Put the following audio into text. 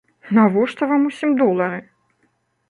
Навошта вам усім долары?